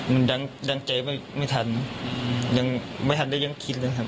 มันดังใจไม่ทันยังไม่ทันได้ยังคิดเลยครับ